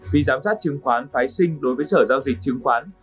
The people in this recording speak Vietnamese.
phí giám sát chứng khoán phái sinh đối với sở giao dịch chứng khoán